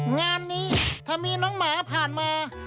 งานนี้ถ้ามีน้องหมาผ่านมา